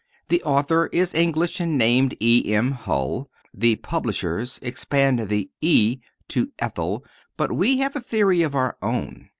The author is English and named E. M. Hull. The publishers expand the "E" to Ethel, but we have a theory of our own.